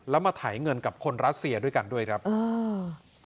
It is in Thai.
แล้วมาถ่ายเงินกับคนรัสเซียด้วยกันด้วยครับอ่า